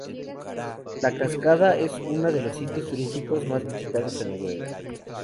La cascada es una de los sitios turísticos más visitados en Noruega.